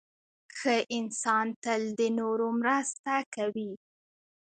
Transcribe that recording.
• ښه انسان تل د نورو مرسته کوي.